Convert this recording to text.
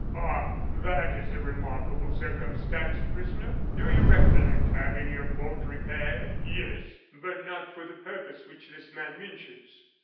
"Ah! that is a remarkable circumstance, prisoner; do you recollect having your boat repaired?" "Yes; but not for the purpose which this man mentions."